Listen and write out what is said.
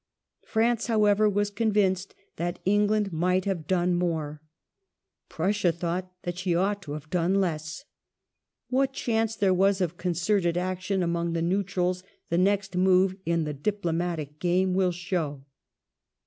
France, however, was convinced that England might have done more. Prussia thought that she ought to have done less. What chance there was of concerted action among the neutrals the next move in the diplomatic game will show.